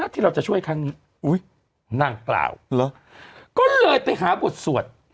ที่เราจะช่วยครั้งนี้นางกล่าวเหรอก็เลยไปหาบทสวด